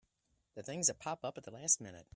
The things that pop up at the last minute!